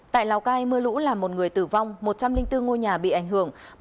tại lào cai mưa lũ làm một người tử vong một trăm linh bốn ngôi nhà bị ảnh hưởng